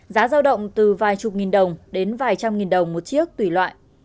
giá giao động từ vài chục nghìn đồng đến vài trăm nghìn đồng một chiếc tùy loại